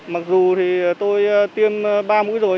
mặc dù tôi tiêm ba mũi rồi